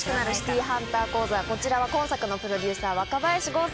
こちらは今作のプロデューサー若林豪さんです。